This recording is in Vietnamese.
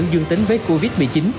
dương tính với covid một mươi chín